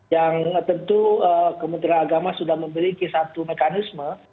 yang tentu kementerian agama sudah memiliki satu mekanisme